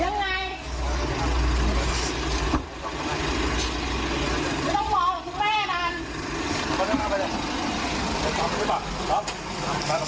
พี่แม่งตายตกผู้ชายกันล่ะ